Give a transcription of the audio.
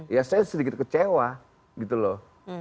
ya saya sedikit kecewa gitu loh